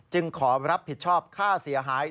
ขอรับผิดชอบค่าเสียหาย